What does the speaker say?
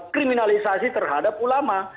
kriminalisasi terhadap ulama